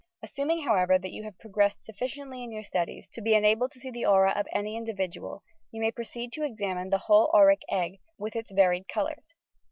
Assum ing, however, that you have progressed sufficiently in your studies to be enabled to see the aura of any in dividual, you may proceed to examine the whole auric egg, with its varied colours.